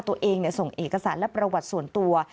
ตัวเองส่งเอกสารและประวัติส่วนตัว